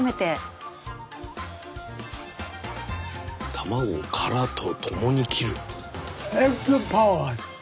卵殻と共に切る。